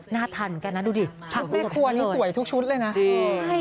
ทานเหมือนกันนะดูดิชุดแม่ครัวนี้สวยทุกชุดเลยนะใช่